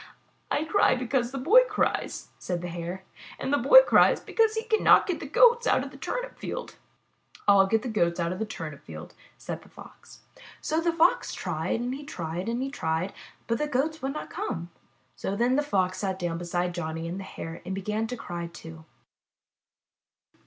*'I cry because the Boy cries," said the Hare, *'and 80 IN THE NURSERY the Boy cries because he cannot get the Goats out of the turnip field." 'Til get the Goats out of the turnip field/' said the Fox. So the Fox tried and he tried and he tried, but the Goats would not come. Then the Fox sat down beside Johnny and the Hare and began to cry, too.